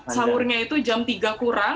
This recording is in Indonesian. sahurnya itu jam tiga kurang